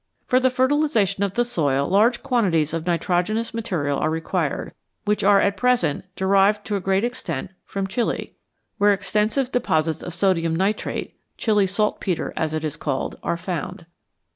For the fertilisation of the soil large quantities of nitrogenous material are required, which are at present derived to a great extent from Chili, where extensive de posits of sodium nitrate Chili saltpetre, as it is called are found.